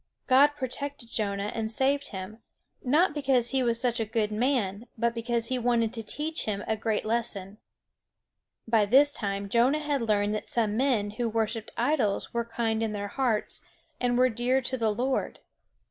God protected Jonah and saved him, not because he was such a good man, but because he wanted to teach him a great lesson. By this time Jonah had learned that some men who worshipped idols were kind in their hearts, and were dear to the Lord.